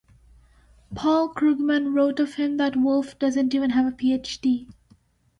Paul Krugman wrote of him that Wolf doesn't even have a PhD.